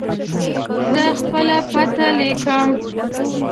زه خپله پته لیکم.